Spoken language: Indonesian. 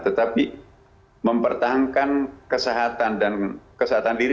tetapi mempertahankan kesehatan dan kesehatan diri